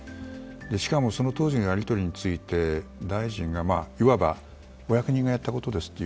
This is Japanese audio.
しかもその当時のやり取りについて大臣がいわばお役人がやったことですと。